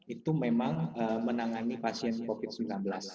itu memang menangani pasien covid sembilan belas